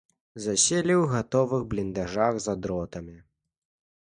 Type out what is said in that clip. Заселі ў гатовых бліндажах за дротам.